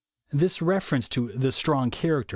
This reference to "the strong character."